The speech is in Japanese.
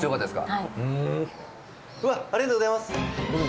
はいうわっありがとうございます